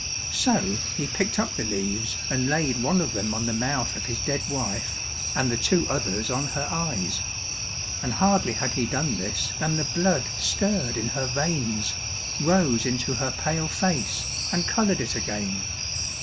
So he picked up the leaves and laid one of them on the mouth of his dead wife, and the two others on her eyes. And hardly had he done this than the blood stirred in her veins, rose into her pale face, and coloured it again.